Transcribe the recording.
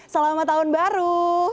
selamat tahun baru